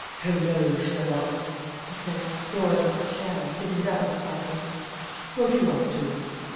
"Hello, Sherlock!" he said, drawing up a chair and sitting down beside me. "What you up to?"